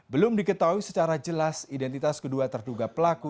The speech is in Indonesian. belum diketahui secara jelas identitas kedua terduga pelaku